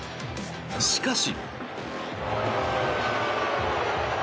しかし。